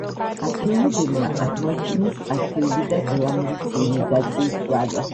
არქეოლოგებმა აღმოაჩინეს პართიული და ელამური ცივილიზაციის კვალი.